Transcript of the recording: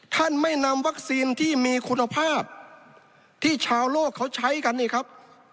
ท่านไม่นำวัคซีนที่มีคุณภาพที่ชาวโลกเขาใช้กันนี่ครับ